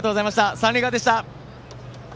三塁側でした。